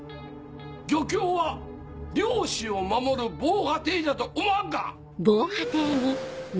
漁協は漁師を守る防波堤じゃと思わんか！